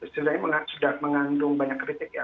sebenarnya sudah mengandung banyak kritik ya